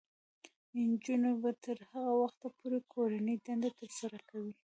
نجونې به تر هغه وخته پورې کورنۍ دندې ترسره کوي.